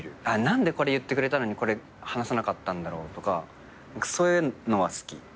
何でこれ言ってくれたのにこれ話さなかったんだろうとかそういうのは好き。